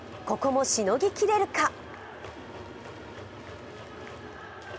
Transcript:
ここもしのぎきれるか。